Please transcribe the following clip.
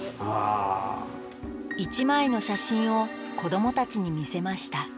１枚の写真を子どもたちに見せました。